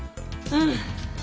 うん。